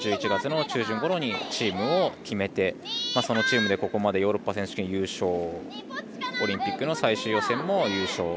１１月の中旬ごろにチームを決めてそのチームでここまでヨーロッパ選手権優勝オリンピックの最終予選も優勝。